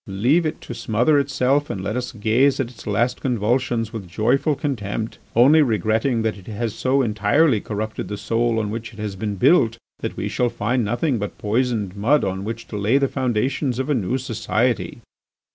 "Leave it to smother itself and let us gaze at its last convulsions with joyful contempt, only regretting that it has so entirely corrupted the soil on which it has been built that we shall find nothing but poisoned mud on which to lay the foundations of a new society."